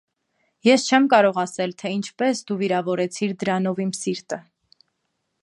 - Ես չեմ կարող ասել, թե ինչպե՜ս դու վիրավորեցիր դրանով իմ սիրտը…